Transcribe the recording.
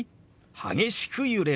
「激しく揺れる」。